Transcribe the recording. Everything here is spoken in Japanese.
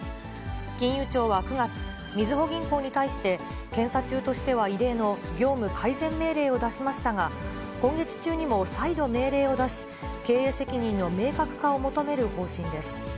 金融庁は９月、みずほ銀行に対して、検査中としては異例の業務改善命令を出しましたが、今月中にも再度命令を出し、経営責任の明確化を求める方針です。